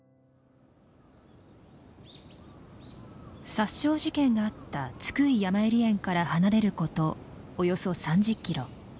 殺傷事件があった津久井やまゆり園から離れることおよそ３０キロ。